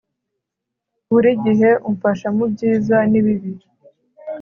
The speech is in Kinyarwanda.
buri gihe umfasha mubyiza nibibi